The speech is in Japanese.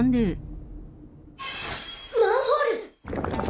マンホール！